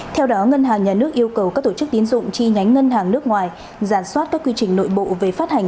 theo đó ngân hàng nhà nước yêu cầu các tổ chức tín dụng chi nhánh ngân hàng nước ngoài giả soát các quy trình nội bộ về phát hành